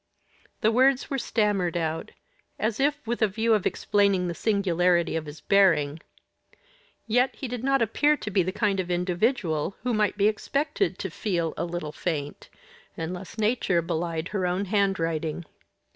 The words were stammered out, as if with a view of explaining the singularity of his bearing yet he did not appear to be the kind of individual who might be expected to feel "a little faint," unless nature belied her own handwriting.